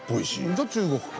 じゃあ中国か。